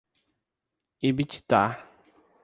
Ibititá